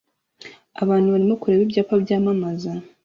Abantu barimo kureba ibyapa byamamaza